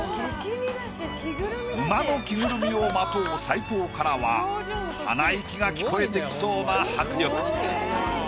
馬の着ぐるみをまとう斉藤からは鼻息が聞こえてきそうな迫力。